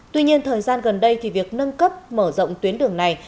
tuy nhiên thời gian gần đây việc nâng cấp mở rộng tuyến đường này